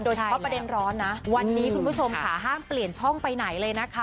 โดยเฉพาะประเด็นร้อนนะวันนี้คุณผู้ชมค่ะห้ามเปลี่ยนช่องไปไหนเลยนะคะ